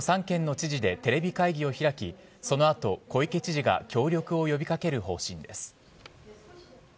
３県の知事でテレビ会議を開きその後、小池知事が協力を呼び掛ける方針です。